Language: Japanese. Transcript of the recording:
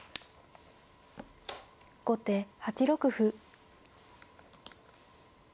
後手８六歩。